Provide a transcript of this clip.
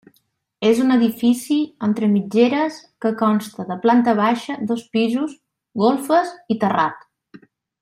És un edifici entre mitgeres que consta de planta baixa, dos pisos, golfes i terrat.